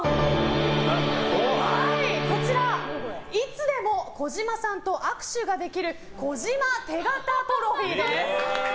こちら、いつでも児嶋さんと握手ができる児嶋手形トロフィーです！